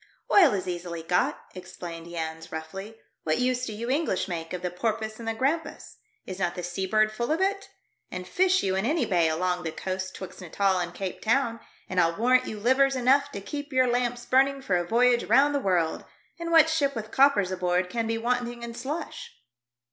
"Oil is easily got," exclaimed Jans, roughly. "What use do you English make of the porpoise and the grampus ? Is not the sea bird full of it ? And fish you in any bay along the coast 'twixt Natal and Cape Town, and I'll warrant you livers enough to keep your lamps burning for a voyage round the world. And what ship with coppers aboard can be wanting in slush